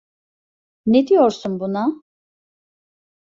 Ne diyorsun buna?